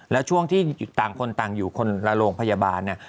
แล้วช่วงที่ต่างคนต่างอยู่คนละโรงพยาบาลเนี่ย